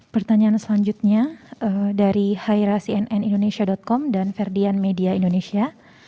pertanyaan selanjutnya dari hairacnnindonesia com dan ferdian media indonesia